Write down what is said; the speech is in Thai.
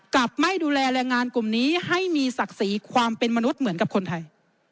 กับไม่ดูแลแรงงานกลุ่มนี้ให้มีศักดิ์ศรีความเป็นมนุษย์เหมือนกับคนไทย